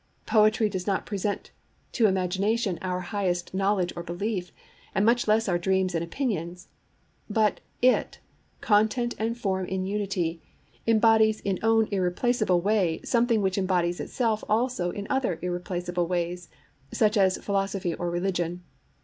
Poetry does not present to imagination our highest knowledge or belief, and much less our dreams and opinions; but it, content and form in unity, embodies in own irreplaceable way something which embodies itself also in other irreplaceable ways, such as philosophy or religion.